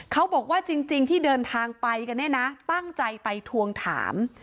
เขาบอกว่าจริงที่เดินทางไปกันเนี่ยนะตั้งใจไปทวงถาม